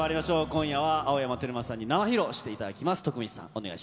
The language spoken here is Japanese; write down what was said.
今夜は青山テルマさんに生披露していただきます。